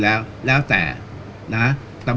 ความเสียหาก็ตกอยู่กับส่วนรวม